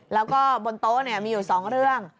แล้วก็บนโต๊ะมีอยู่๒เรื่อง